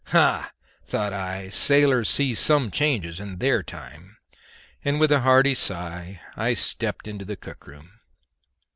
Ha! thought I, sailors see some changes in their time; and with a hearty sigh I stepped into the cook room.